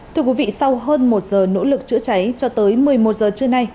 thưa quý vị sau hơn một giờ nỗ lực chữa cháy cho tới một mươi một giờ trưa nay